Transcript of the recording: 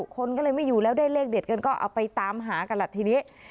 คนก็เลยไม่อยู่แล้วได้เลขเด็ดกันก็เอาไปตามหากันล่ะทีนี้